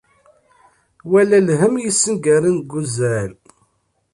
Wala lhemm yessengaren deg uzal.